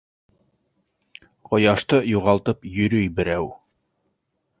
Ҡояшты юғалтып йөрөй берәү!